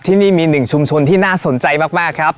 ที่นี่มีหนึ่งชุมชนที่น่าสนใจมากครับ